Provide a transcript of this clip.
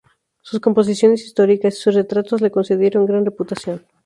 Sus composiciones históricas y sus retratos le concedieron gran reputación.